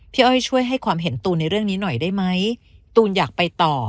อ้อยช่วยให้ความเห็นตูนในเรื่องนี้หน่อยได้ไหมตูนอยากไปต่อ